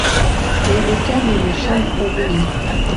Les deux termes me semblent convenir.